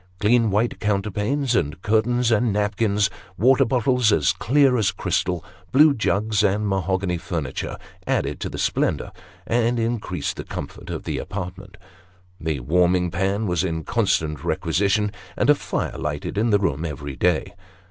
Clean white counterpanes, and curtains, and napkins, water bottles as clear as crystal, blue jugs, and mahogany furniture, added to the splendour, and increased the comfort, of tho apartment. The warming pan was in constant requisition, and a fire lighted in the room every day.